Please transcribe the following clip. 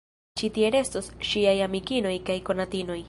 Ĉi tie restos ŝiaj amikinoj kaj konatinoj.